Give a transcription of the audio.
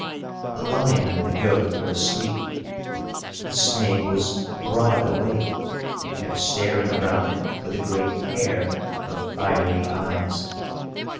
The lion and the goat were asleep; the snake was broad awake, and kept staring around him with a great pair of fiery eyes.